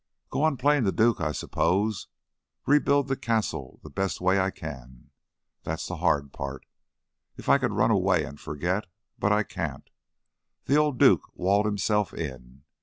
"Go on playing the duke, I suppose; rebuild the castle the best way I can. That's the hard part. If I could run away and forget, but I can't. The old duke walled himself in.